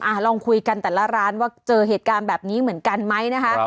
ลองคุยกันแต่ละร้านว่าเจอเหตุการณ์แบบนี้เหมือนกันไหมนะคะ